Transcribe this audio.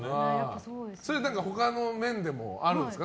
それは他の面でもあるんですか？